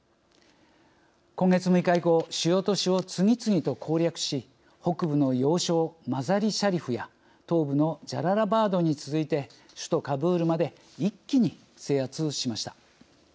今月６日以降主要都市を次々と攻略し北部の要衝マザリシャリフや東部のジャララバードに続いて首都カブールまで一気に制圧しました。